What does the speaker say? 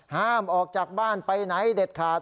ห้ามออกจากบ้านไปไหนเด็ดขาด